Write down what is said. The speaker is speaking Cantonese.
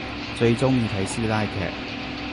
最中意睇師奶劇